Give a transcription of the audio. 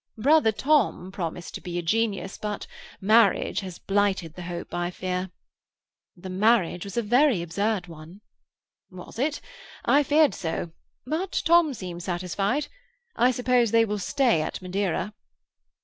Brother Tom promised to be a genius, but marriage has blighted the hope, I fear." "The marriage was a very absurd one." "Was it? I feared so; but Tom seems satisfied. I suppose they will stay at Madeira."